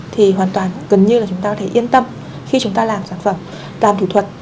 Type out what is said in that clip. thì hoàn toàn gần như là chúng ta có thể yên tâm khi chúng ta làm sản phẩm làm thủ thuật